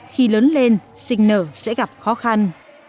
khi lớn lên sinh nở sẽ gặp khó khăn